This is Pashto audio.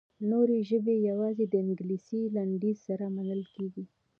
نورې ژبې یوازې د انګلیسي لنډیز سره منل کیږي.